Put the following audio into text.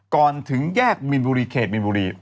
ก่อนถึงแยกมิลมูลีเขตมิลมูลี